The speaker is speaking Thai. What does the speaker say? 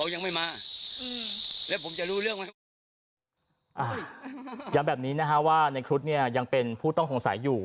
ย้ำแบบนี้นะฮะว่าในครุฑเนี่ยยังเป็นผู้ต้องสงสัยอยู่